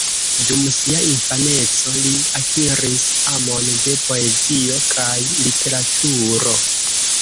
Dum sia infaneco li akiris amon de poezio kaj literaturo.